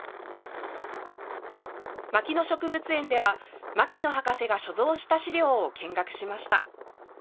牧野植物園では、牧野博士が所蔵した資料を見学しました。